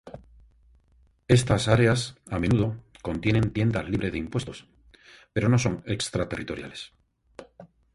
Estas áreas a menudo contienen tiendas libres de impuestos, pero no son extraterritoriales.